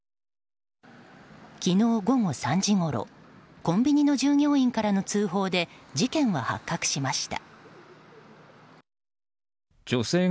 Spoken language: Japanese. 昨日午後３時ごろコンビニの従業員からの通報で事件は発覚しました。